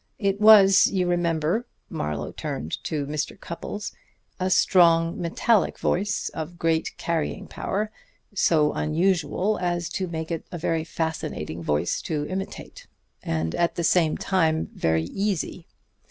It was, you remember," Marlowe turned to Mr. Cupples "a strong, metallic voice, of great carrying power, so unusual as to make it a very fascinating voice to imitate, and at the same time very easy.